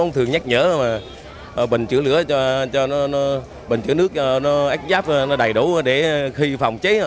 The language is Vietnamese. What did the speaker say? ông thường nhắc nhở bình chữa nước áp giáp đầy đủ để khi phòng chế